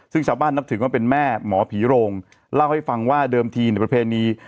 ซึ่งชาวบ้านนับถือว่าเป็นแม่หมอผีโรงเล่าให้ฟังว่าเดิมทีในประเพณี